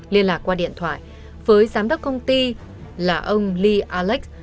liên lạc qua điện thoại với giám đốc công ty là ông lee alex